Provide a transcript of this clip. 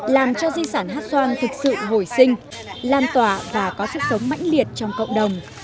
làm cho di sản hát xoan thực sự hồi sinh lan tỏa và có sức sống mãnh liệt trong cộng đồng